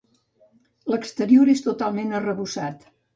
L'exterior és totalment arrebossat.